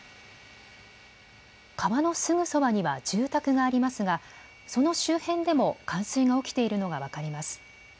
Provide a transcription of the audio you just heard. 川のすぐそばには住宅がありますがその周辺でも冠水が起きているのが分かります。